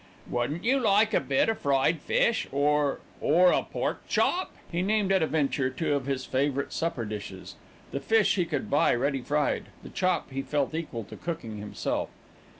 "Wouldn't you like a bit o' fried fish, or or a pork chop?" he named at a venture two of his favourite supper dishes. The fish he could buy ready fried, the chop he felt equal to cooking himself.